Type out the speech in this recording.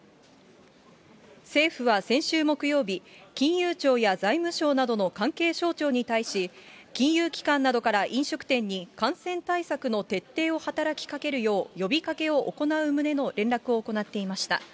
政府は先週木曜日、金融庁や財務省などの関係省庁に対し、金融機関などから飲食店に感染対策の徹底を働きかけるよう、呼びかけを行う旨の連絡を行っていました。